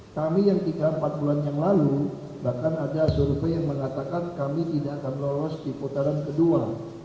kami yang tiga empat bulan yang lalu bahkan ada survei yang mengatakan kami tidak akan lolos di putaran kedua